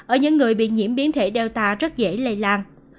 ở những người bị nhiễm biến thể data rất dễ lây lan